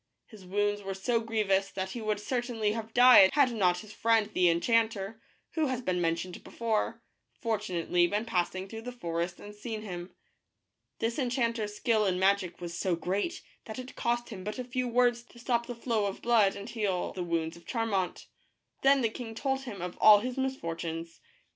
His wounds were so grievous that he would certainly have died had not his friend the enchanter, who has been mentioned before, fortunately been passing through the forest and seen him. This enchanters skill in magic was so great that it cost him but a few words to stop the flow of blood and heal the wounds of Charmant. Then the king told him of all his misfortunes.